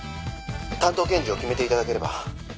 「担当検事を決めて頂ければ」